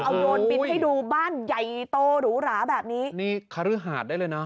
เอาโยนบินให้ดูบ้านใหญ่โตหรูหราแบบนี้นี่คฤหาดได้เลยนะ